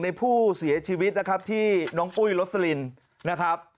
ในผู้เสียชีวิตนะครับที่น้องปุ้ยลสลินนะครับ